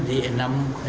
di enam kota